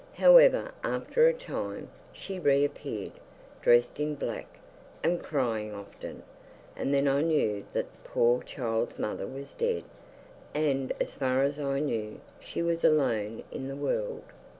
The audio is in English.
However, after a time, she reappeared, dressed in black, and crying often, and then I knew that the poor child's mother was dead, and, as far as I knew, she was alone in the world.